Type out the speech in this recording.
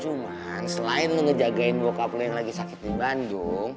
cuman selain lo ngejagain bokap lo yang lagi sakit di bandung